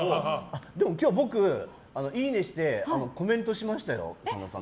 今日、僕いいねして、コメントしましたよ。